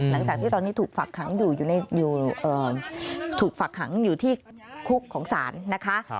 หลังจากที่ตอนนี้ถูกฝักหังอยู่ที่คุกของศาลนะคะ